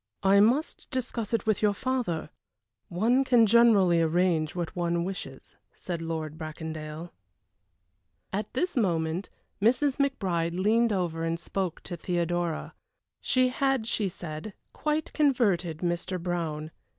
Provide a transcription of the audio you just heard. "I must discuss it with your father; one can generally arrange what one wishes," said Lord Bracondale. At this moment Mrs. McBride leaned over and spoke to Theodora. She had, she said, quite converted Mr. Brown.